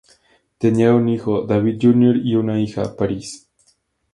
Tenía un hijo, David Jr., y una hija, Paris.